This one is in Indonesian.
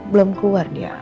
belum keluar dia